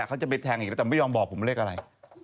เขาจะไปแทงอีกแล้วแต่ไม่ยอมบอกผมเลขอะไร